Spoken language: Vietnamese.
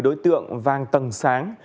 đối tượng vàng tầng sáng